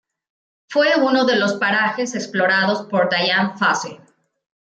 Fue uno de los parajes explorados por Dian Fossey.